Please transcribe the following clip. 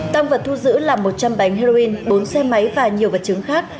tăng vật thu giữ là một trăm linh bánh heroin bốn xe máy và nhiều vật chứng khác